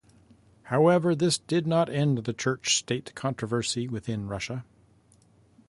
However, this did not end the church-state controversy within Russia.